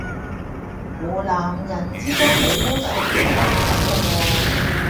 湖南人之中你都算幾靚仔喇喎